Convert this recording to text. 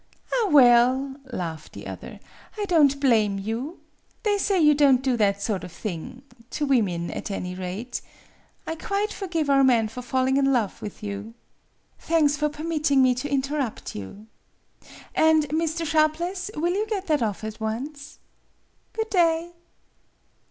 "Ah, well," laughed the other, "I don't blame you. They say you don't do that sort of thing to women, at any rate. I quite forgive our men for falling in love with you. Thanks for permitting me to interrupt you. And, Mr. Sharpless, will you get that off at once? Good day!"